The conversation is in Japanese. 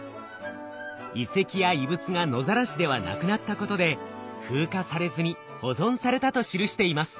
遺跡や遺物が野ざらしではなくなったことで風化されずに保存されたと記しています。